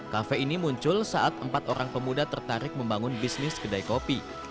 kafe ini muncul saat empat orang pemuda tertarik membangun bisnis kedai kopi